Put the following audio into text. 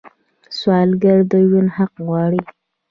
سوالګر د ژوند حق غواړي